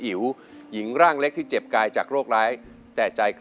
อิวโยงแพลตรวมาก